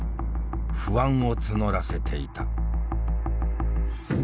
不安を募らせていた。